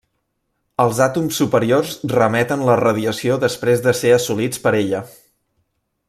Els àtoms superiors reemeten la radiació després de ser assolits per ella.